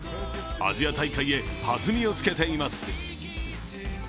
アジア大会へ弾みをつけています。